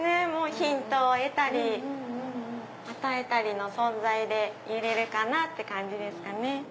ヒントを得たり与えたりの存在でいれるかなって感じですかね。